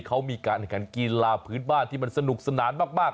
เขามีการแข่งขันกีฬาพื้นบ้านที่มันสนุกสนานมาก